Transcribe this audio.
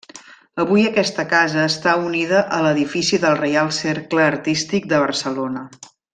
Avui aquesta casa està unida a l'edifici del Reial Cercle Artístic de Barcelona.